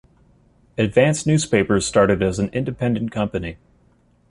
Advance Newspapers started as an independent company.